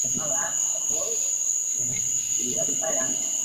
Fue la primera de su familia en ir a la universidad.